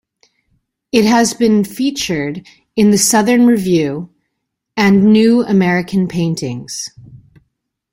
It has been featured in "The Southern Review" and "New American Paintings".